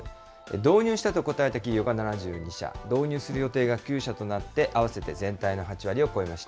導入したと答えた企業が７２社、導入する予定が９社となって、合わせて全体の８割を超えました。